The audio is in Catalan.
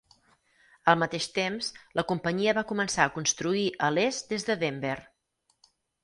Al mateix temps, la companyia va començar a construir a l'est des de Denver.